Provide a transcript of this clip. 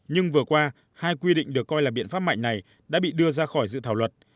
nhưng vừa qua hai quy định được coi là biện pháp mạnh này đã bị đưa ra khỏi dự thảo luật